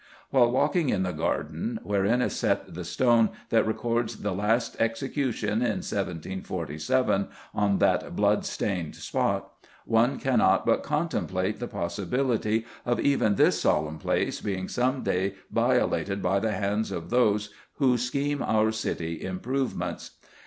While walking in the garden, wherein is set the stone that records the last execution in 1747 on that blood stained spot, one cannot but contemplate the possibility of even this solemn place being some day violated by the hands of those who scheme out city "improvements."